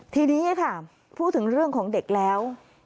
ทีนี้ค่ะพูดถึงเรื่องของเด็กแล้ว